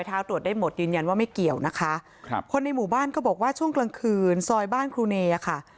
ตรวจได้หมดยืนยันว่าไม่เกี่ยวนะคะครับคนในหมู่บ้านก็บอกว่าช่วงกลางคืนซอยบ้านครูเนค่ะ